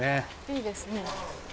いいですね。